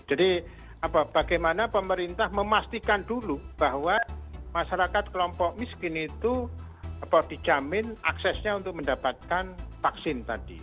jadi bagaimana pemerintah memastikan dulu bahwa masyarakat kelompok miskin itu dijamin aksesnya untuk mendapatkan vaksin tadi